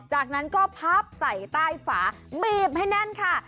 จากนั้นก็พับใส่ใต้ฝาบีบให้แน่นค่ะ